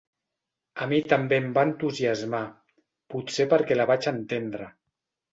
A mi també em va entusiasmar, potser perquè la vaig entendre.